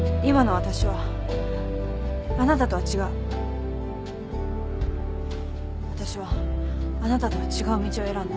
わたしはあなたとは違う道を選んだ。